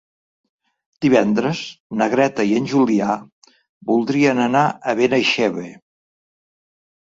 Divendres na Greta i en Julià voldrien anar a Benaixeve.